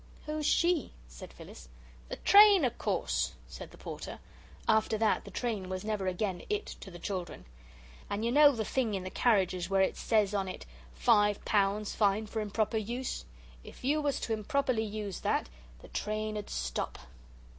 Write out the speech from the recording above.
"Who's she?" said Phyllis. "The train, of course," said the Porter. After that the train was never again 'It' to the children. "And you know the thing in the carriages where it says on it, 'Five pounds' fine for improper use.' If you was to improperly use that, the train 'ud stop."